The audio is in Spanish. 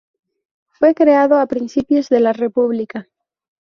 Fue creado a principios de la República.